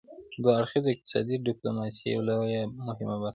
دوه اړخیزه اقتصادي ډیپلوماسي یوه لویه او مهمه برخه ده